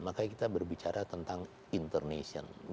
maka kita berbicara tentang internasional